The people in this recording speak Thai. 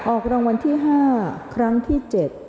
ออกรางวัลที่๕ครั้งที่๗